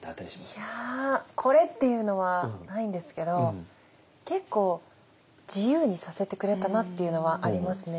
いやこれっていうのはないんですけど結構自由にさせてくれたなっていうのはありますね。